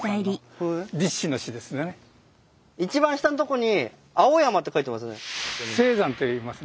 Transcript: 一番下のとこに「青山」って書いてますね。